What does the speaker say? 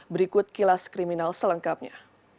berikut kilas kriminal selengkapnya